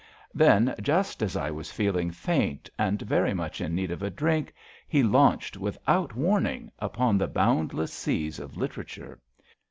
Then, just as I was feeling faint and very much in need of a drink, he launched without warning 258 ABAFT THE FUNNEL upon the boundless seas of literature.